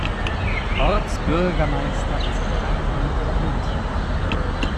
Ortsbürgermeister ist Hartmut Valentin.